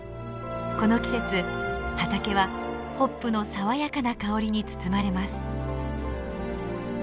この季節畑はホップの爽やかな香りに包まれます。